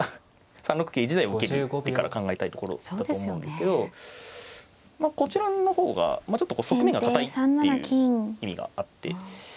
３六桂自体を受けに行ってから考えたいところだと思うんですけどまあこちらの方がちょっと側面が堅いっていう意味があって。